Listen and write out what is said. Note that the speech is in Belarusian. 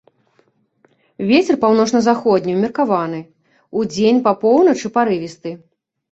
Вецер паўночна-заходні ўмеркаваны, удзень па поўначы парывісты.